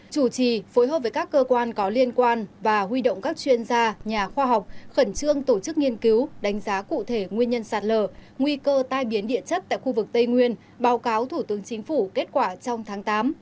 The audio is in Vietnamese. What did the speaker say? chủ trì phối hợp với các cơ quan có liên quan và huy động các chuyên gia nhà khoa học khẩn trương tổ chức nghiên cứu đánh giá cụ thể nguyên nhân sạt lở nguy cơ tai biến địa chất tại khu vực tây nguyên báo cáo thủ tướng chính phủ kết quả trong tháng tám